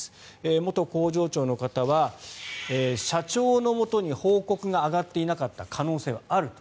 元工場長の方は社長のもとに報告が上がっていなかった可能性はあると。